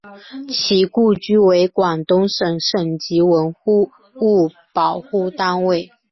其故居为广东省省级文物保护单位。